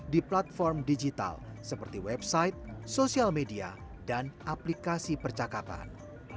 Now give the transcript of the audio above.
di platform digital seperti website sosial media dan aplikasi percakapan